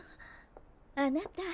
あなた